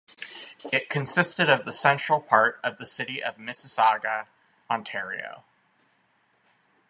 It consisted of the central part of the City of Mississauga, Ontario.